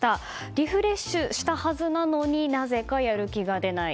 リフレッシュしたはずなのになぜか、やる気が出ない。